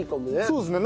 そうですね。